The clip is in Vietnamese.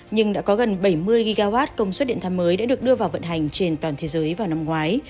nhưng đã có gần bảy mươi gigawatt công suất điện tham mới đã được đưa vào vận hành trên toàn thế giới vào năm ngoái